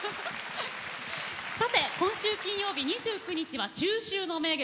さて今週金曜日２９日は中秋の名月。